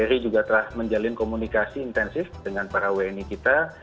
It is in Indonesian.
bri juga telah menjalin komunikasi intensif dengan para wni kita